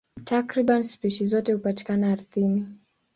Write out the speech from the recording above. Takriban spishi zote hupatikana ardhini.